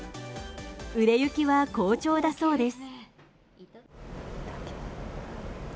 売れ行きは好調だそうです。